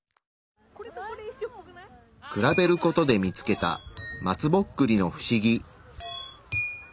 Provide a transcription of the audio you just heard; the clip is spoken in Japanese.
比べる事で見つけた松ぼっくりのフシギ。